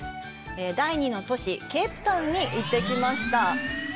第２の都市、ケープタウンに行ってきました。